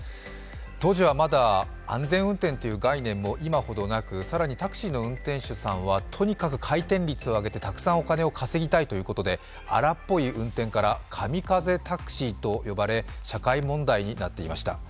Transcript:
当時はまだ安全運転という概念も今ほどなく、更にタクシーの運転手さんはとにかく回転率を上げてたくさんお金を稼ぎたいということで、荒っぽい運転から神風タクシーと呼ばれ社会問題となっていました。